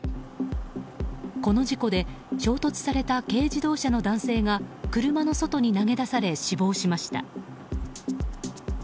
この事故で衝突された軽乗用車の男性が車の外に投げ出され死亡しました。